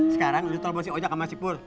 sekarang lo tolong si ojak sama si pur